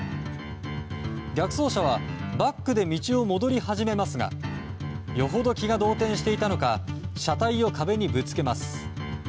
逆走車はバックで道を戻り始めますがよほど気が動転していたのか車体を壁にぶつけます。